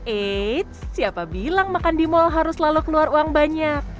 eits siapa bilang makan di mall harus selalu keluar uang banyak